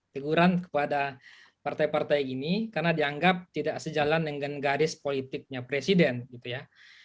teguran kepada partai partai ini karena dianggap tidak sejalan dengan garis politiknya presiden gitu ya